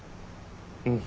うん。